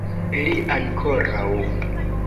Li ankoraŭ!